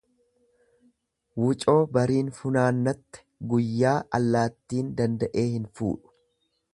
Wucoo bariin funaannatte guyyaa allaattiin danda'ee hin fuudhu.